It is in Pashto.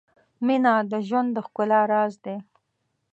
• مینه د ژوند د ښکلا راز دی.